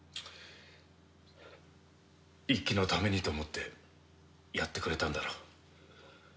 一輝のためにと思ってやってくれたんだろ。